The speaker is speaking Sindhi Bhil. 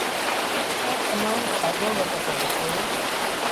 ائيٚݩ تمآم سآدو وکت هوئيٚتو۔